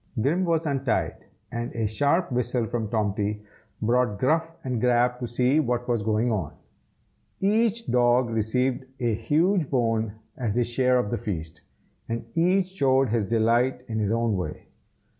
Grim was untied, and a sharp whistle from Tomty brought Gruff and Grab to see what was going on. Each dog received a huge bone as his share of the feast, and each showed his delight in his own way.